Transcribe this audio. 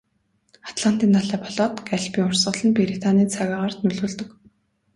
Атлантын далай болоод Галфын урсгал нь Британийн цаг агаарт нөлөөлдөг.